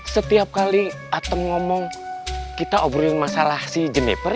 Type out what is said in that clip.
setiap kali atem ngomong kita obrolin masalah si jennifer